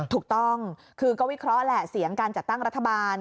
ถูกต้องคือก็วิเคราะห์แหละเสียงการจัดตั้งรัฐบาล